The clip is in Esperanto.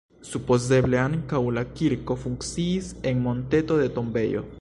Supozeble ankaŭ la kirko funkciis en monteto de tombejo.